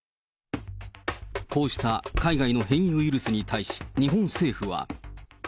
こうした海外の変異ウイルスに対し、日本政府は。